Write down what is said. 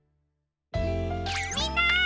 みんな！